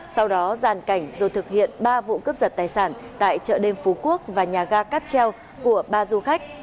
sau đó giàn cảnh rồi thực hiện ba vụ cướp giật tài sản tại chợ đêm phú quốc và nhà ga cắp treo của ba du khách